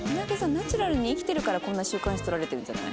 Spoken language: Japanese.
ナチュラルに生きてるからこんな週刊誌撮られてるんじゃない？」